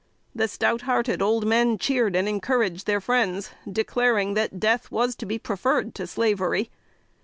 The stout hearted old men cheered and encouraged their friends, declaring that death was to be preferred to slavery.